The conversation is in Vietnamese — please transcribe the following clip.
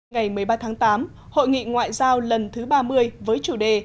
ngày một mươi ba tháng tám hội nghị ngoại giao lần thứ ba mươi với chủ đề